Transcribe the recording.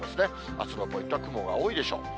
あすのポイントは雲が多いでしょう。